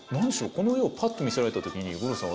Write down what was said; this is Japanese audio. この絵をパッと見せられた時に五郎さん